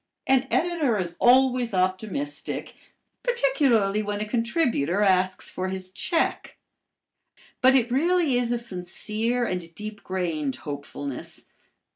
An editor is always optimistic, particularly when a contributor asks for his check. But it really is a sincere and deep grained hopefulness.